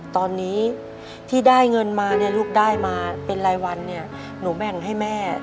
ตอนนี้ที่ได้เงินมาเนี่ยลูกได้มาเป็นรายวันเนี่ยหนูแบ่งให้แม่